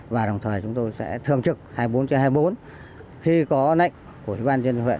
và đồng thời chúng tôi sẽ thường trực hai mươi bốn hai mươi bốn khi có nệnh của bàn dân hội